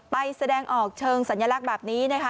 แสดงออกเชิงสัญลักษณ์แบบนี้นะคะ